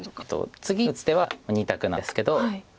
次に打つ手は２択なんですけど。